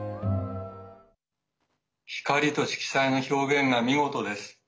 光と色彩の表現が見事です。